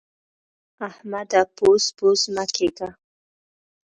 احمده! بوڅ بوڅ مه کېږه.